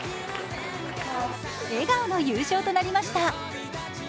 笑顔の優勝となりました。